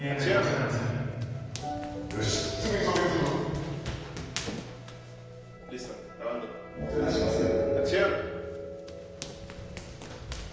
よしすぐに送検するぞもてなしますよ